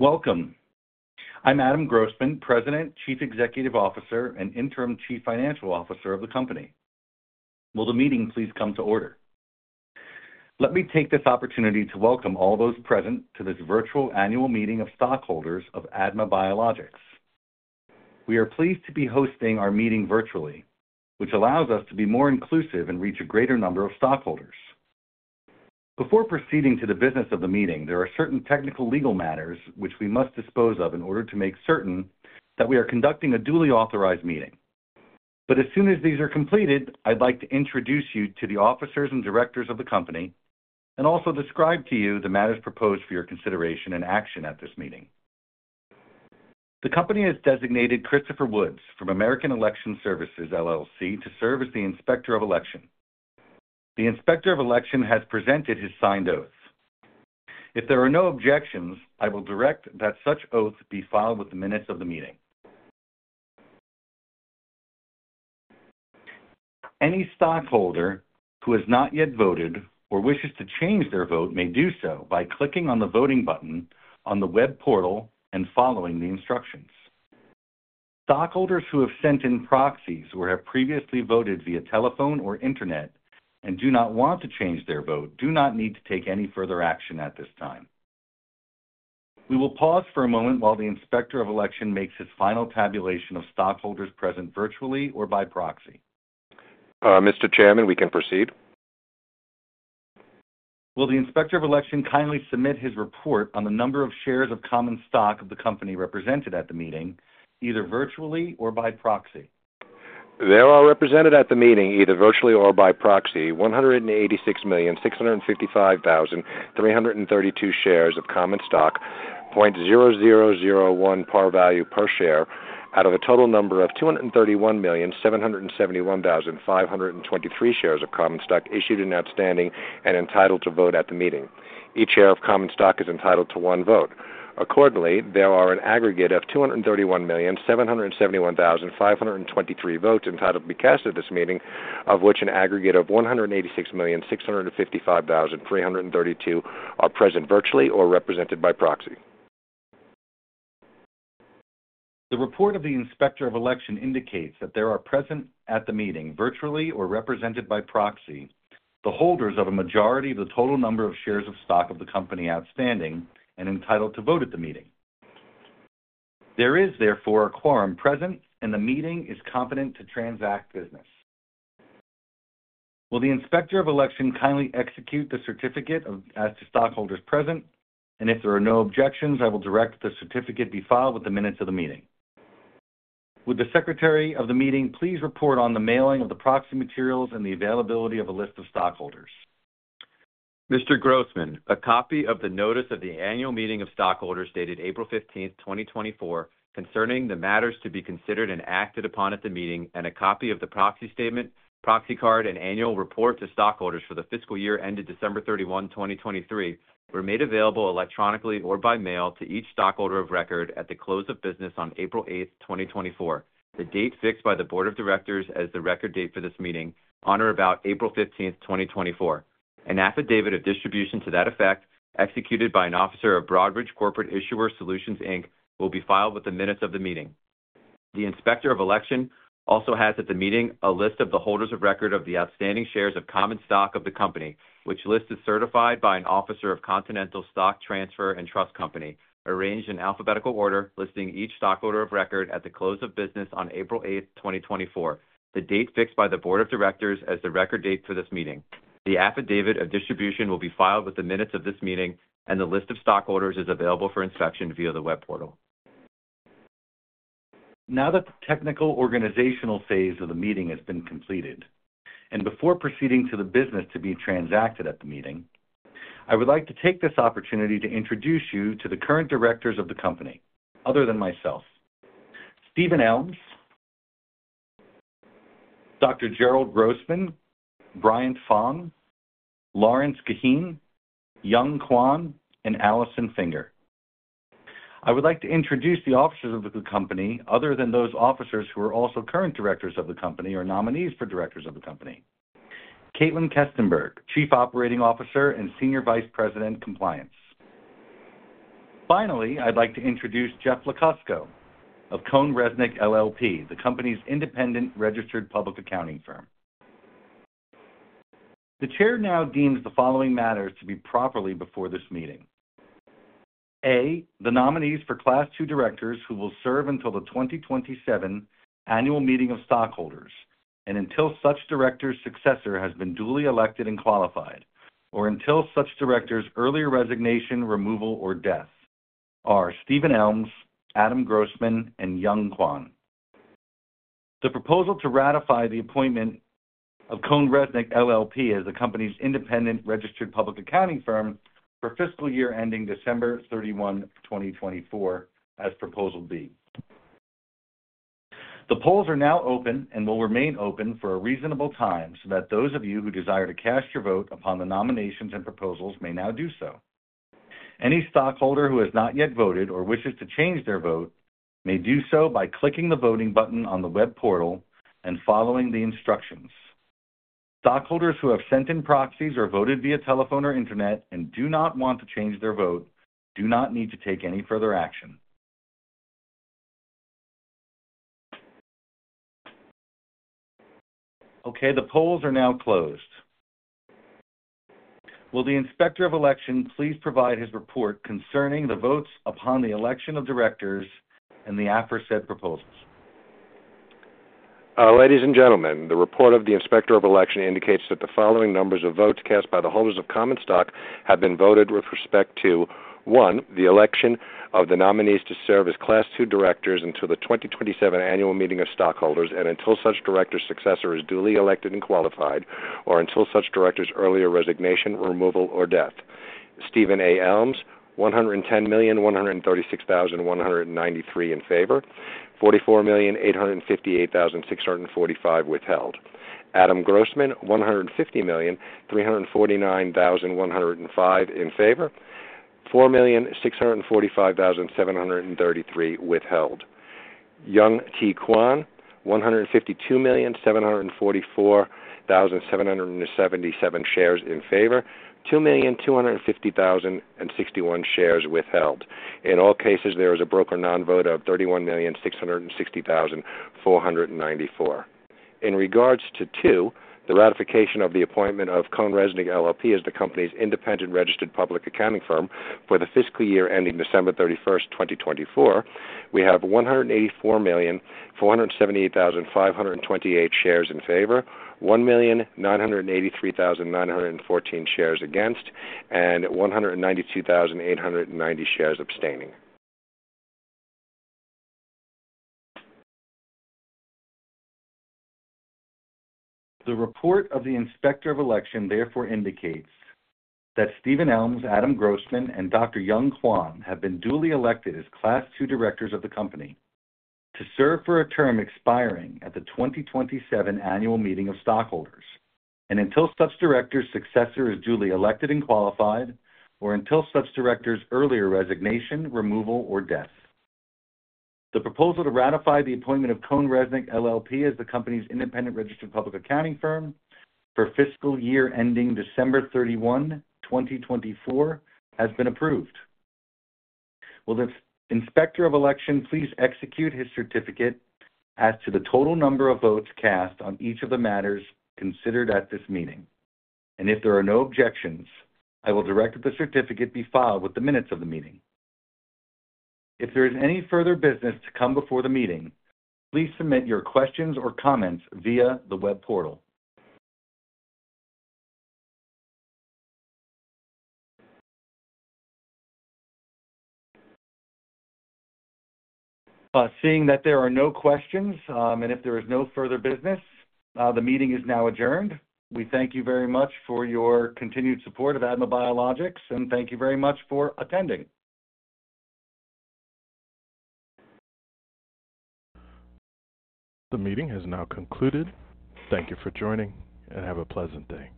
Welcome! I'm Adam Grossman, President, Chief Executive Officer, and Interim Chief Financial Officer of the company. Will the meeting please come to order? Let me take this opportunity to welcome all those present to this virtual annual meeting of stockholders of ADMA Biologics. We are pleased to be hosting our meeting virtually, which allows us to be more inclusive and reach a greater number of stockholders. Before proceeding to the business of the meeting, there are certain technical legal matters which we must dispose of in order to make certain that we are conducting a duly authorized meeting. But as soon as these are completed, I'd like to introduce you to the officers and directors of the company and also describe to you the matters proposed for your consideration and action at this meeting. The company has designated Christopher Woods from American Election Services, LLC, to serve as the Inspector of Election. The Inspector of Election has presented his signed oaths. If there are no objections, I will direct that such oaths be filed with the minutes of the meeting. Any stockholder who has not yet voted or wishes to change their vote may do so by clicking on the voting button on the web portal and following the instructions. Stockholders who have sent in proxies or have previously voted via telephone or internet and do not want to change their vote, do not need to take any further action at this time. We will pause for a moment while the Inspector of Election makes his final tabulation of stockholders present virtually or by proxy. Mr. Chairman, we can proceed. Will the Inspector of Election kindly submit his report on the number of shares of common stock of the company represented at the meeting, either virtually or by proxy? There are represented at the meeting, either virtually or by proxy, 186,655,332 shares of common stock, $0.0001 par value per share, out of a total number of 231,771,523 shares of common stock issued and outstanding and entitled to vote at the meeting. Each share of common stock is entitled to one vote. Accordingly, there are an aggregate of 231,771,523 votes entitled to be cast at this meeting, of which an aggregate of 186,655,332 are present virtually or represented by proxy. The report of the Inspector of Election indicates that there are present at the meeting, virtually or represented by proxy, the holders of a majority of the total number of shares of stock of the company outstanding and entitled to vote at the meeting. There is, therefore, a quorum present and the meeting is competent to transact business. Will the Inspector of Election kindly execute the certificate of, as to stockholders present? If there are no objections, I will direct the certificate be filed with the minutes of the meeting. Would the Secretary of the meeting please report on the mailing of the proxy materials and the availability of a list of stockholders? Mr. Grossman, a copy of the notice of the annual meeting of stockholders dated April 15, 2024, concerning the matters to be considered and acted upon at the meeting and a copy of the proxy statement, proxy card, and annual report to stockholders for the fiscal year ended December 31, 2023, were made available electronically or by mail to each stockholder of record at the close of business on April 8, 2024, the date fixed by the board of directors as the record date for this meeting, on or about April 15, 2024. An affidavit of distribution to that effect, executed by an officer of Broadridge Corporate Issuer Solutions, Inc., will be filed with the minutes of the meeting. The Inspector of Election also has at the meeting a list of the holders of record of the outstanding shares of common stock of the company, which list is certified by an officer of Continental Stock Transfer and Trust Company, arranged in alphabetical order, listing each stockholder of record at the close of business on April 8th 2024 the date fixed by the board of directors as the record date for this meeting. The affidavit of distribution will be filed with the minutes of this meeting, and the list of stockholders is available for inspection via the web portal. Now that the technical organizational phase of the meeting has been completed, and before proceeding to the business to be transacted at the meeting, I would like to take this opportunity to introduce you to the current directors of the company, other than myself. Steven Elms, Jerrold Grossman, Bryant Fong, Lawrence Guiheen, Young Kwon, and Alison Finger. I would like to introduce the officers of the company, other than those officers who are also current directors of the company or nominees for directors of the company. Caitlin Kestenberg, Chief Operating Officer and Senior Vice President, Compliance. Finally, I'd like to introduce Jeff Lukacsko of CohnReznick LLP, the company's independent registered public accounting firm. The chair now deems the following matters to be properly before this meeting: A, the nominees for Class two directors who will serve until the 2027 annual meeting of stockholders, and until such director's successor has been duly elected and qualified, or until such director's earlier resignation, removal, or death, are Steven Elms, Adam Grossman, and Young Kwon. The proposal to ratify the appointment of CohnReznick LLP as the company's independent registered public accounting firm for fiscal year ending December 31, 2024, as Proposal B. The polls are now open and will remain open for a reasonable time so that those of you who desire to cast your vote upon the nominations and proposals may now do so. Any stockholder who has not yet voted or wishes to change their vote may do so by clicking the voting button on the web portal and following the instructions. Stockholders who have sent in proxies or voted via telephone or internet and do not want to change their vote, do not need to take any further action. Okay, the polls are now closed. Will the Inspector of Election please provide his report concerning the votes upon the election of directors and the aforesaid proposals? Ladies and gentlemen, the report of the Inspector of Election indicates that the following numbers of votes cast by the holders of common stock have been voted with respect to: one, the election of the nominees to serve as Class II directors until the 2027 annual meeting of stockholders and until such director's successor is duly elected and qualified, or until such director's earlier resignation, removal, or death. Steven Elms, 110,136,193 in favor, 44,858,645 withheld. Adam Grossman, 150,349,105 in favor, 4,645,733 withheld. Young Kwon. Kwon, 152,744,777 shares in favor, 2,250,061 shares withheld. In all cases, there is a broker non-vote of 31,660,494. In regards to two, the ratification of the appointment of CohnReznick LLP as the company's independent registered public accounting firm for the fiscal year ending December 31, 2024, we have 184,478,528 shares in favor, 1,983,914 shares against, and 192,890 shares abstaining. The report of the Inspector of Election therefore indicates that Steven Elms, Adam Grossman, and Dr. Young Kwon have been duly elected as Class II directors of the company to serve for a term expiring at the 2027 annual meeting of stockholders, and until such director's successor is duly elected and qualified, or until such director's earlier resignation, removal, or death. The proposal to ratify the appointment of CohnReznick LLP as the company's independent registered public accounting firm for fiscal year ending December 31, 2024, has been approved. Will the Inspector of Election please execute his certificate as to the total number of votes cast on each of the matters considered at this meeting? And if there are no objections, I will direct that the certificate be filed with the minutes of the meeting. If there is any further business to come before the meeting, please submit your questions or comments via the web portal. Seeing that there are no questions, and if there is no further business, the meeting is now adjourned. We thank you very much for your continued support of ADMA Biologics, and thank you very much for attending. The meeting has now concluded. Thank you for joining, and have a pleasant day.